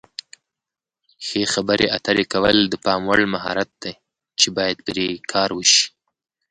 ښې خبرې اترې کول د پام وړ مهارت دی چې باید پرې کار وشي.